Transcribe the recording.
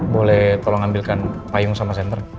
boleh tolong ambilkan payung sama senter